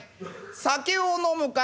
酒を飲むか？」。